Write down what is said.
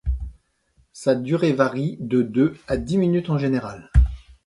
Sa durée varie de deux à dix minutes en général.